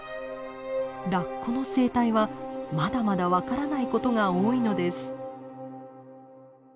ラッコの生態はまだまだ分からないことが多いのです。